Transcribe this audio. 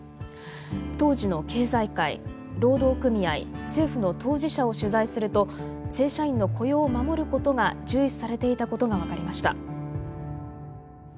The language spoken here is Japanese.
当時の経済界労働組合政府の当事者を取材すると正社員の雇用を守ることが重視されていたことが分かりました。